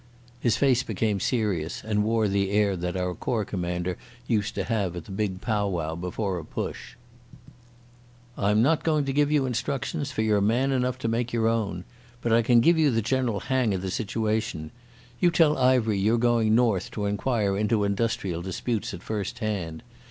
His face became serious and wore the air that our corps commander used to have at the big pow wow before a push. "I'm not going to give you instructions, for you're man enough to make your own. But I can give you the general hang of the situation. You tell Ivery you're going North to inquire into industrial disputes at first hand.